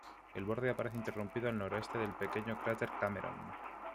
El borde aparece interrumpido al noroeste por el pequeño cráter Cameron.